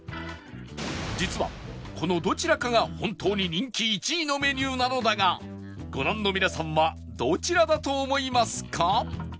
実はこのどちらかが本当に人気１位のメニューなのだがご覧の皆さんはどちらだと思いますか？